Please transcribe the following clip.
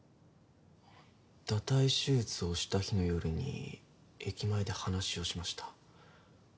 堕胎手術をした日の夜に駅前で話をしました。